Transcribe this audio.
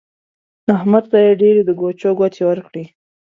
احمد ته يې ډېرې د ګوچو ګوتې ورکړې.